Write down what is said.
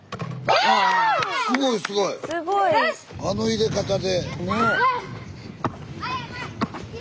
あの入れ方で。ね。